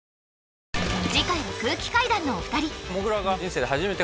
次回は空気階段のお二人はい